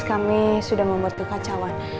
kami sudah membuat tukacawan